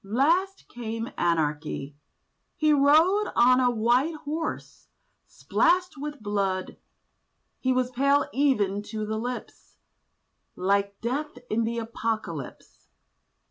Last came Anarchy: he rode On a white horse, splashed with blood; He was pale even to the lips, Like Death in the Apocalypse.